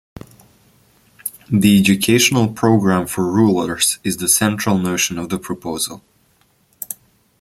The educational program for the rulers is the central notion of the proposal.